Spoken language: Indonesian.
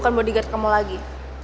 jadi sekarang aku berhak untuk mencari kamu